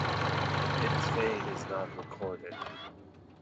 Its fate is not recorded.